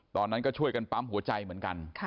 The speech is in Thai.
ตอนนั้นก็ช่วยกันปั๊มหัวใจเหมือนกัน